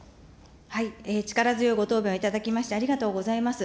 力強いご答弁をいただきまして、ありがとうございます。